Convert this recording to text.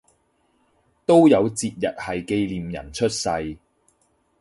都有節日係紀念人出世